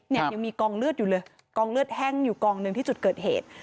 ยังมีกองเลือดอยู่เลยกองเลือดแห้งอยู่กองหนึ่งที่จุดเกิดเหตุ